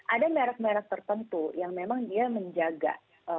ada merek merek tertentu yang memang dia menjaga